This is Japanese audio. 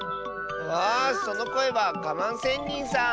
あそのこえはガマンせんにんさん！